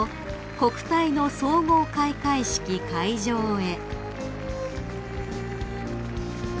国体の総合開会式会場へ］